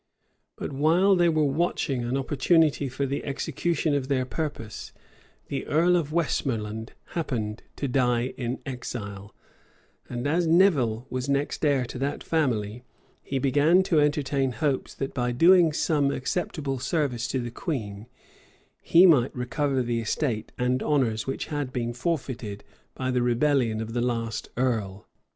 But while they were watching an opportunity for the execution of their purpose, the earl of Westmoreland happened to die in exile; and as Nevil was next heir to that family, he began to entertain hopes that, by doing some acceptable service to the queen, he might recover the estate and honors which had been forfeited by the rebellion of the last earl.